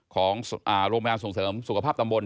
ของโรงพยาบาลส่งเสริมสุขภาพตำบล